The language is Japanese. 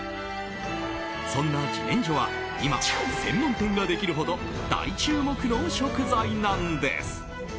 そんな自然薯は今、専門店ができるほど大注目の食材なんです。